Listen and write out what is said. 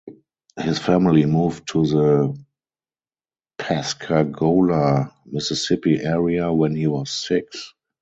His family moved to the Pascagoula, Mississippi area when he was six.